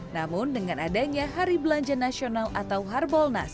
namun dengan adanya hari belanja nasional atau harbolnas